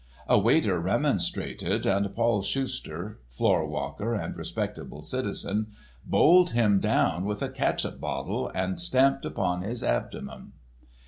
A waiter remonstrated, and Paul Schuster, floor walker and respectable citizen, bowled him down with a catsup bottle and stamped upon his abdomen.